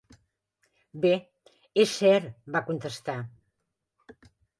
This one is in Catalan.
"Bé, és cert", va contestar.